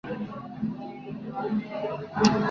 La cantante lleva una actividad concertística activa.